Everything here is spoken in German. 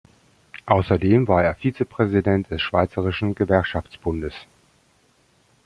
Ausserdem war er Vizepräsident des Schweizerischen Gewerkschaftsbundes.